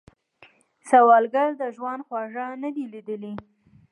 سوالګر د ژوند خواږه نه دي ليدلي